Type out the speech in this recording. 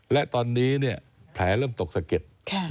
และตอนนี้แผลเริ่มตกสะเก็ด